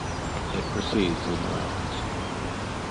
It proceeds in rounds.